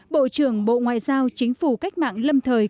bộ trưởng bộ ngoại giao chính phủ cách mạng lâm thời